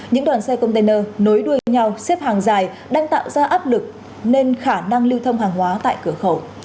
những đoàn xe container nối đuôi nhau xếp hàng dài đang tạo ra áp lực nên khả năng lưu thông hàng hóa tại cửa khẩu